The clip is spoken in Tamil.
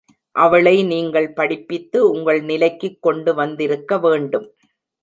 அவளை நீங்கள் படிப்பித்து உங்கள் நிலைக்குக் கொண்டு வந்திருக்க வேண்டும்.